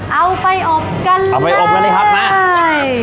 เอาไปอบกันเลยครับเอาไปอบกันเลยครับมา